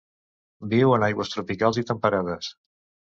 Viu en aigües tropicals i temperades.